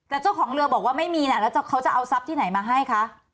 แต่เจ้าของเรือบอกว่าไม่มีน่ะแล้วเขาจะเอาทรัพย์ที่ไหนมาให้คะ